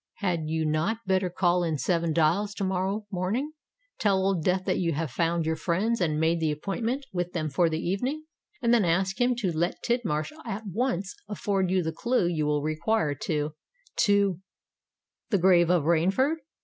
Had you not better call in Seven Dials to morrow morning, tell Old Death that you have found your friends and made the appointment with them for the evening, and then ask him to let Tidmarsh at once afford you the clue you will require to—to—the grave of Rainford?"